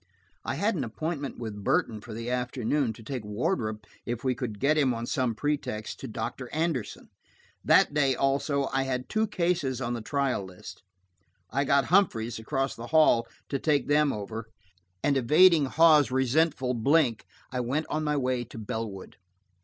I had an appointment with Burton for the afternoon, to take Wardrop, if we could get him on some pretext, to Doctor Anderson. That day, also, I had two cases on the trial list. I got Humphreys, across the hall, to take them over, and evading Hawes' resentful blink, I went on my way to Bellwood.